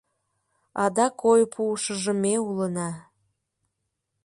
Адак ой пуышыжо ме улына...